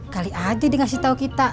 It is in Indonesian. kali aja di ngasih tau kita